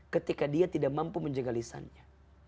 ketika dia tidak mampu menjaga lisannya